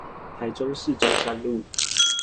台中市中山路